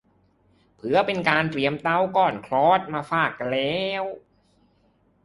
เพื่อเป็นการเตรียมเต้าก่อนคลอดมาฝากกันแล้ว